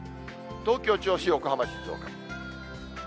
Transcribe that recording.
東京、銚子、横浜、静岡。